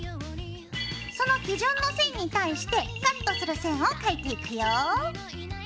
その基準の線に対してカットする線を描いていくよ。